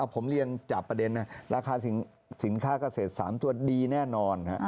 ผมเรียนจับประเด็นนะราคาสินค้าเกษตร๓ตัวดีแน่นอน